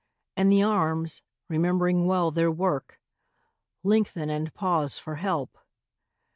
" and the arms, remembering well their work, Lengthen and pause for help.